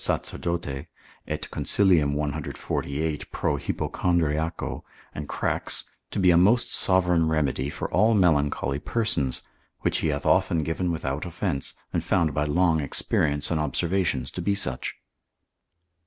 sacerdote, et consil. 148. pro hypochondriaco, and cracks, to be a most sovereign remedy for all melancholy persons, which he hath often given without offence, and found by long experience and observations to be such.